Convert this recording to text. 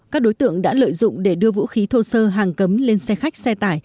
các đối tượng đã lợi dụng để đưa vũ khí thô sơ hàng cấm lên xe khách xe tải